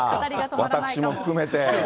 私も含めて。